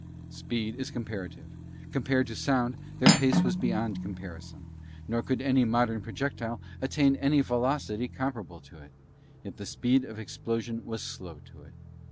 Speed is comparative: compared to sound, their pace was beyond comparison; nor could any modern projectile attain any velocity comparable to it; even the speed of explosion was slow to it.